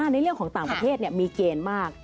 ในเรื่องของต่างประเทศมีเกณฑ์มาก